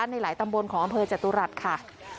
ในหลายตำบลของอำเภอจตุรัสค่ะ